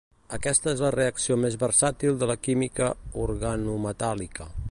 Aquesta és la reacció més versàtil de la química organometàl·lica.